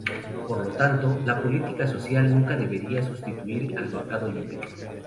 Por lo tanto, la política social nunca debería sustituir al mercado libre.